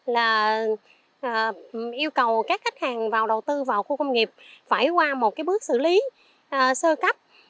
là yêu cầu các khách hàng vào đầu tư vào khu công nghiệp phải qua một bước xử lý sơ cấp